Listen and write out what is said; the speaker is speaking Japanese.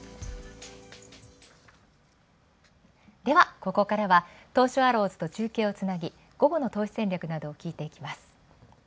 ここからは東証アローズと中継をつなぎ、午後の投資戦略などを聞いていきます。